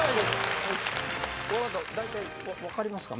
大体分かりますか？